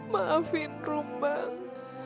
maafin rum bang